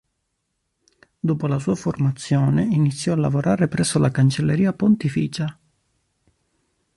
Dopo la sua formazione, iniziò a lavorare presso la Cancelleria Pontificia.